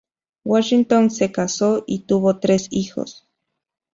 Washington se casó y tuvo tres hijos.